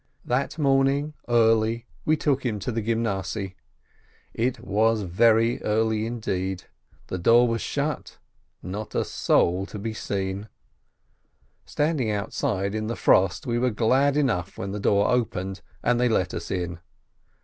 That morning early we took him to the Gymnasiye. It was very early, indeed, the door was shut, not a soul to be seen. Standing outside there in the frost, we were glad enough when the door opened, and they let us in.